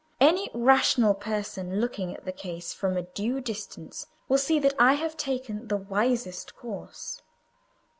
Any rational person looking at the case from a due distance will see that I have taken the wisest course.